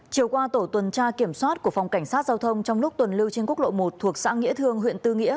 chiều qua tổ tuần tra kiểm soát của phòng cảnh sát giao thông trong lúc tuần lưu trên quốc lộ một thuộc xã nghĩa thương huyện tư nghĩa